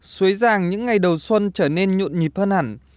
xuế giàng những ngày đầu xuân trở nên nhộn nhịp hơn hẳn